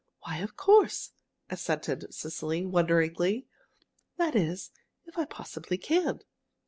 "Why, of course!" assented Cecily, wonderingly. "That is, if I possibly can."